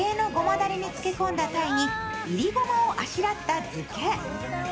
だれに漬け込んだ鯛に煎りごまをあしらった漬け。